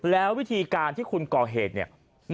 แล้ววิธีการที่คุณก่อเหตุเนี่ย